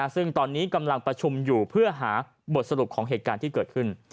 ซึ่งตอนนี้กำลังประชุมอยู่เพื่อหาบทสรุปของเหตุการณ์ที่เกิดขึ้น